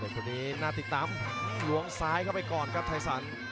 คนนี้น่าติดตามล้วงซ้ายเข้าไปก่อนครับไทยสัน